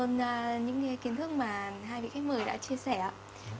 rất cảm ơn những kiến thức mà hai vị khách mời đã chia sẻ ạ